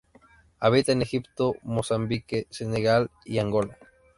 Habita en Egipto, Mozambique, Senegal y Angola.